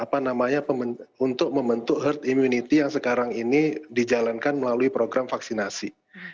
layak digunakan di indonesia untuk membentuk herd immunity yang sekarang ini dijalankan melalui program vaksinasi